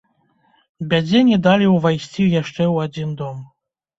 Бядзе не далі ўвайсці яшчэ ў адзін дом.